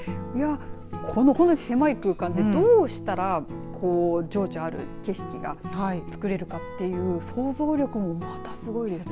この狭い空間でどうしたら情緒ある景色が作れるかっていう想像力もまたすごいですね。